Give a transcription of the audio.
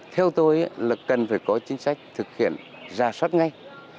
theo tôi là cần phải có chính sách thực hiện ra soát ngay